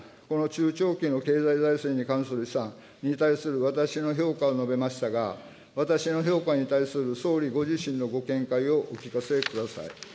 この中長期の経済財政に関する試算に対する私の評価を述べましたが、私の評価に対する総理ご自身のご見解をお聞かせください。